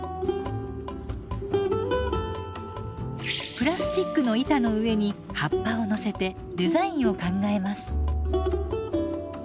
プラスチックの板の上に葉っぱを乗せてデザインを考えます。